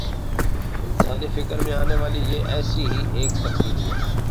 انسانی فکر میں آنے والی یہ ایسی ہی ایک تبدیلی ہے۔